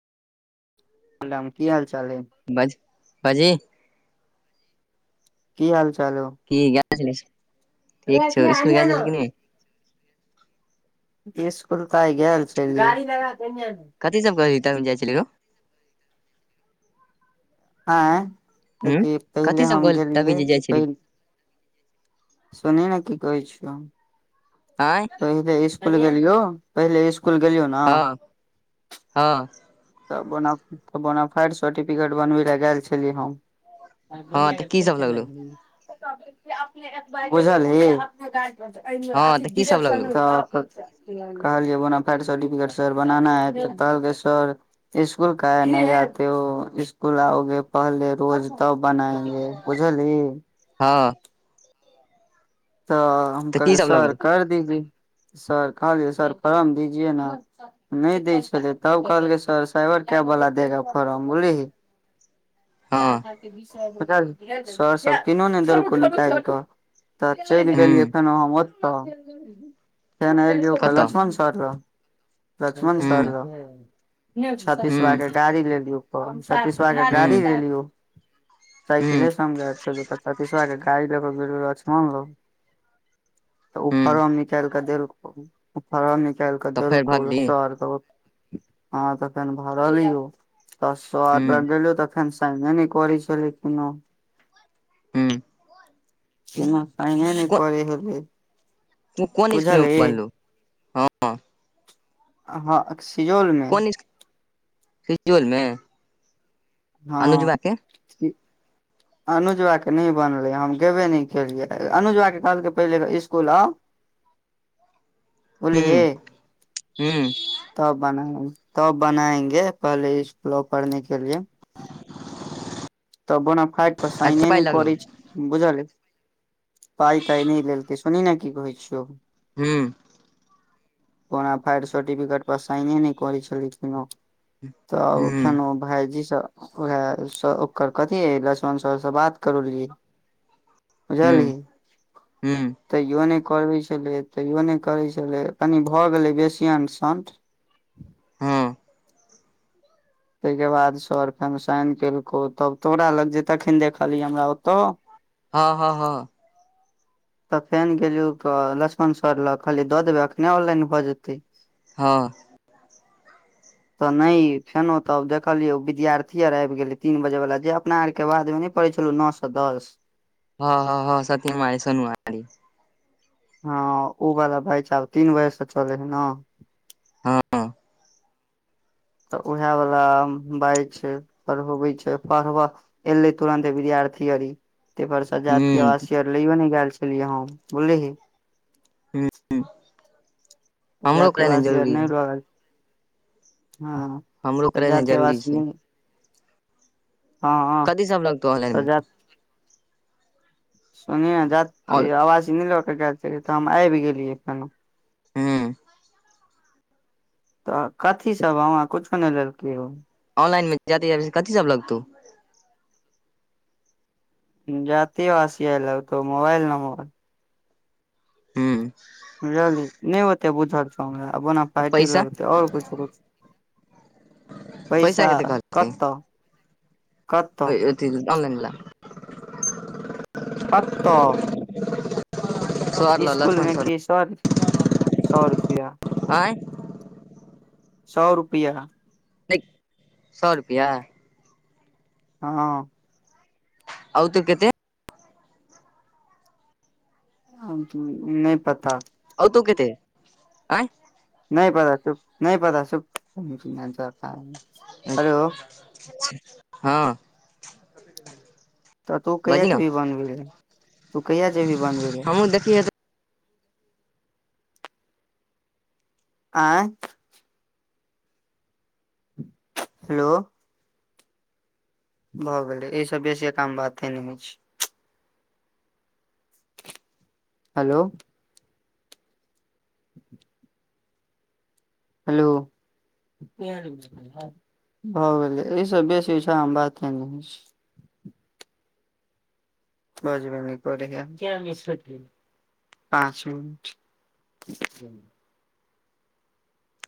प्रणाम की हाल चाल अय बज बाजी की हाल चाल हो की गै ठीक छौ इसकुल गेल छलै क नहि इसकुल त आइ गेल छल गारी लगा दही ने कथि सब कह जाइ छलै गो [unintelligible] आय हूँ देखि पहिले कथी सब हम कहली तभी गेलियै जे जाइ छली पहि सुनही ने की कहै छिय आँय पहिले इसकुल गेलियो पहिले इसकू कूल गेलियौ ने हँ हँ तऽ बौना बोनाफायट सर्टिफिकेट बनबी लए गेल छली हम हँ बुझलदि तऽ की सब लगलौ [unintelligible] हँ अथ तऽ की सब िर्शन लगलौ [unintelligible] कहलै बना फट सर्टिफिकेट सर बनाना है तऽ कहलकै सर स्कूल कहे नहि आते हो स्कूल आओगे पहले रोज तब बनाएंगे गे बुझलही हँ तऽ हम तऽ की कहलिये सब सर लगलौ कर दीजिए सर कह सर फर्म दीजियए ने नहि दै छलै तब कहलकै सर साइबर कैफ़े बाला देगा फोर्म बुझलीही हँ सर सब तीनो ने देलको निकत तऽ चलि गेलियै हूँ फेनो हम ओतऽ फेर एलियै कतऽ Lakshman sir sir Lakshman sir हूँ रह छ्तसवा हूँ के गाड़ी लेलियो ओ छसतिस बा गाड़ी हूँ लेलियो हूँ सइकेले से हम गैल छलियो त छतिसवा के गाडी ल के गलियो लक्ष्मण लंग तऽ ओ हूँ फोम निकालि कऽ देलक फर्म निकाल क ओ तऽ फेर देलकउ भगली सर लंग हँ त फेन भरलियो त सर हूँ लंग गेलियो त एखन साइने नहि करै छलै किनो ह्म किनो साइने नहि करै हेबही तू कोन स्कूल बनलू हँ हँ सियौल मे यौल मे अनुजवा हँ के अनुजवा के नै बनले हम गेबे न केलियै अनुजवा के कहलकै पहिले इस्कुल आउ बो ही हूँ हूँ तब बना तब बनाएंगे पहले इसकुल आओ पढ़ने के लिए त बोनाफाइट पर अच्छा सइने पाइ नै लगलौ करै छै बुझल अइ पाइ ताइ नहि लेलते सुनही ने की कहै छियौ हू बोनाफायट सर्फिकेट पर साइने नहि करै छलै कोनो तऽ हूँ फेन भायजी स वैह सँ ओकर कथी लक्ष्मण सर से बात करलियै हूँ बुझलही हूँ तैयो नहि करै छलै तैयो नहि करै छले कनि भऽ गेलै बेसी अंठ संठ हँ ताहिके बाद सर फेनु साइन केलकौ तब तोरा लग जे तखन देखली हमरा ओतो हँ हँ हँ [inaudible] तऽ फेन‌ गेलियौ तऽ लक्ष्मण सर लग कहलिये दऽ देबै अखने ऑनलाइन भऽ जेतै हँ तऽ नइ फेनो तब देखलियै विद्यार्थी आर आबि गेलै तीन बजे वला जे अपना आर के बादमे नहि पढ़ै छलहु नअ सँ दस हँ हँ हँ सत्यम सोनवा हँ ओ वाला बैचा तीन बजे से चले हइ ने हँ तऽ उएह वाला बाइच छै पढ़बबै छै पढ़ब एलै तुरन्ते विद्यार्थी अरी तैपर सँ जाती हूँ आवासी आर लैयो नहि गेल छलियै हम बुलीही हू जाति अवासी आर नहि लगैल हँ हमरो त करेनाइ जाति जरूरी आवासिय छै हँ हँ कथी सब लगतौ ऑनलाइन त मे जाति सुनिही और जाति आवासि नहि लऽ क गेल छलियै तऽ हम आबि गेलियै कनी हूँ तऽ कथी सब हमरा कुछो नहि लेलकै ओ ऑनलाइन मे जाती अवजिय कथो सब लगतौ जाति आवासिय आय लगतौ मोबाइल नंबर हूँ बुझलही नइ ओते बुझल छौ हमराओन आ फाटे पैसा लगतै और कुछो पैसा कते कहलकै कतऽ कतऽ अथी आनलाइन वला कतअ [inaudible] इसकुल मे की सर सौ रुपआ आँय सौ रुपैआ नइ सौ रुपैआ हाँ आउ तू देते नइ पता आओतो केते आय नहि पता चुप नहि पता चुप [unintelligible] हाँ [unintelligible] तऽ तू कहिया जे भी बानबी ले तू कहिया जे भी बानबे लेल तुहू देखिये त आँय हेलो भऽ गेलै एहि सब बेसी एकरामे बाते नहि होइ छै हेलो [inaudible] हेलो भऽ गेलै अयस बेसी ओहिठाममे बाते ने छै बजबे नै करैके पाँच मिनट